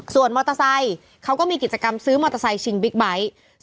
ส่วนมอเตอร์ไซค์เขาก็มีกิจกรรมซื้อมอเตอร์ไซค์ชิงบิ๊กไบท์